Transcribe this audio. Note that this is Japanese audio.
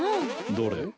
どれ？